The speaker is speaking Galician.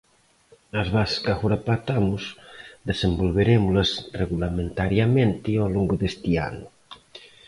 As bases que agora pactamos desenvolverémolas regulamentariamente ao longo deste ano.